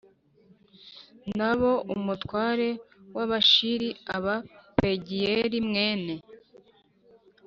na bo umutware w Abash ri abe Pagiyeli mwene